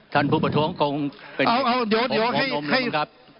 ท่านผู้ประท้วงคงเป็นผู้ประท้วง